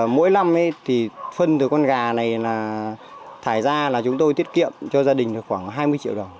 mỗi năm thì phân từ con gà này thải ra là chúng tôi tiết kiệm cho gia đình khoảng hai mươi triệu đồng